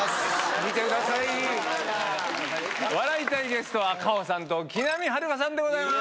見てください。笑いたいゲストは夏帆さんと木南晴夏さんでございます。